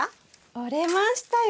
折れましたよ。